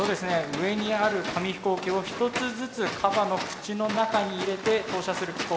上にある紙飛行機を１つずつカバの口の中に入れて投射する機構。